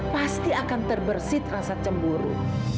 pasti akan terbersih rasa cemburu